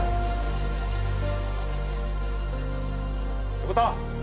・横田！